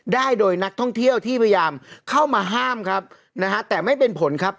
ได้โดยนักท่องเที่ยวที่พยายามเข้ามาห้ามครับนะฮะแต่ไม่เป็นผลครับ